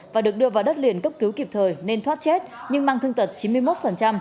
và được đưa vào đất liền cấp cứu kịp thời nên thoát chết nhưng mang thương tật chín mươi một